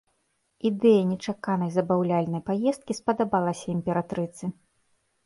Ідэя нечаканай забаўляльнай паездкі спадабалася імператрыцы.